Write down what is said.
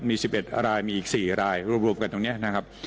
มี๑๑รายมีอีก๔รายรวมกันตรงนี้นะครับ